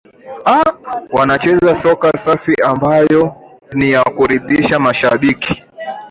aa wanacheza soka safi ambayo ni ya kuridhisha mashabiki